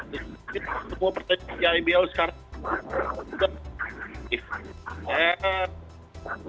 tapi sebuah pertandingan di ibl sekarang juga ketinggian